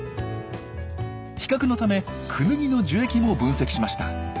比較のためクヌギの樹液も分析しました。